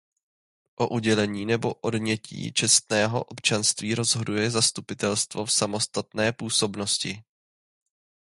O udělení nebo odnětí čestného občanství rozhoduje zastupitelstvo v samostatné působnosti.